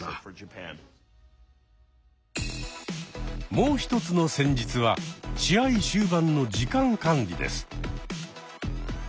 もう一つの戦術は試合終盤の時間管理です。